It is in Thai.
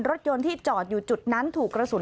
รถยนต์ที่จอดอยู่จุดนั้นถูกกระสุน